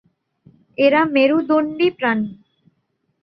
এরা মেরুদন্ডী প্রাণী।